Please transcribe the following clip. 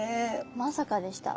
まさかでした。